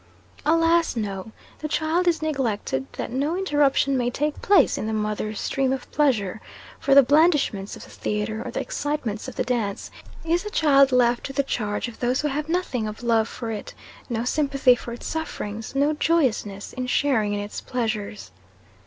Alas! no; the child is neglected, that no interruption may take place in the mother's stream of pleasure. For the blandishments of the theatre, or the excitements of the dance, is a child left to the charge of those who have nothing of love for it no sympathy for its sufferings, no joyousness in sharing in its pleasures.